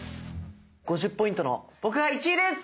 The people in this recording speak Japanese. ５０ポイントの僕が１位です！